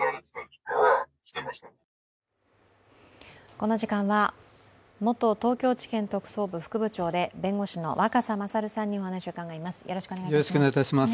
この時間は元東京地検特捜部副部長で弁護士の若狭勝さんにお話を伺います。